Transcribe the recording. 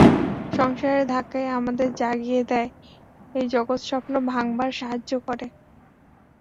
সংসারের ধাক্কাই আমাদের জাগিয়ে দেয়, এই জগৎস্বপ্ন ভাঙবার সাহায্য করে।